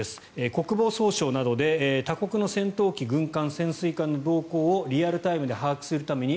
国防総省などで他国の戦闘機、軍艦、潜水艦の動向をリアルタイムで把握するために